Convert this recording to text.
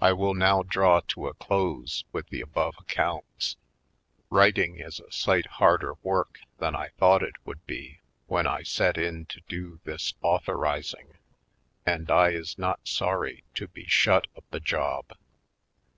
I will now draw to a close with the above accounts. Writing is a sight harder work than I thought it would be when I set in to do this authorizing, and I is not sorry to be shut of the job.